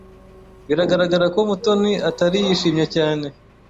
Biragaragara ko Mutoni atari yishimye cyane.